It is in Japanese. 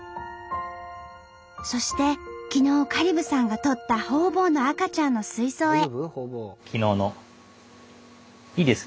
そして昨日香里武さんがとったホウボウの赤ちゃんの水槽へ。